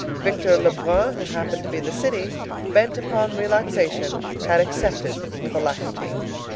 Victor Lebrun, who happened to be in the city, bent upon relaxation, had accepted with alacrity.